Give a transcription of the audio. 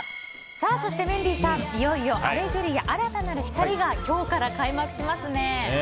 そしてメンディーさん、いよいよ「アレグリア‐新たなる光‐」が今日から開幕しますね。